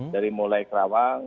dari mulai kerawang